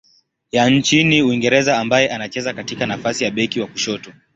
ya nchini Uingereza ambaye anacheza katika nafasi ya beki wa kushoto.